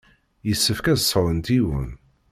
Yessefk ad sɛunt yiwen.